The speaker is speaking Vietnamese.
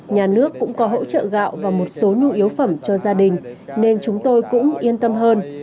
nhà nước cũng có hỗ trợ gạo và một số nhu yếu phẩm cho gia đình nên chúng tôi cũng yên tâm hơn